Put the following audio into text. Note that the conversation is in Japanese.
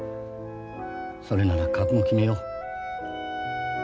それなら覚悟決めよう。